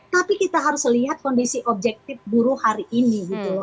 tapi kita harus melihat kondisi objektif buruh hari ini